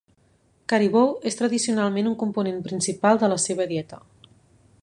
Caribou és tradicionalment un component principal de la seva dieta.